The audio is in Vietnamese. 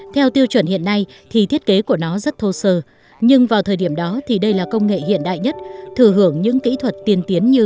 theo tiêu chuẩn hiện nay thì thiết kế của nó rất thô sơ nhưng vào thời điểm đó thì đây là công nghệ hiện đại nhất thừa hưởng những kỹ thuật tiên tiến như